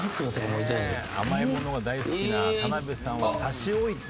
甘いものが大好きな田辺さんを差し置いて。